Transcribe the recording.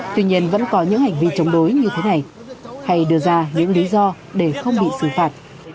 tuy nhiên vẫn có những hành vi chống đối như thế này hay đưa ra những lý do để không bị xử phạt